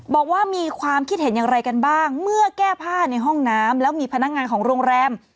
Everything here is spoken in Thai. บอกว่ามีความคิดเห็นอย่างไรกันบ้างเมื่อแก้ผ้าในห้องน้ำแล้วมีพนักงานของโรงแรม